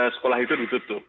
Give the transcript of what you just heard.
sekolah itu ditutup